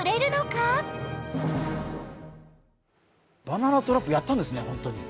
バナナトラップやったんですね、本当に。